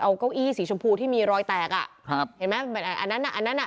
เอาเก้าอี้สีชมพูที่มีรอยแตกอ่ะครับเห็นไหมอันนั้นอ่ะอันนั้นอ่ะ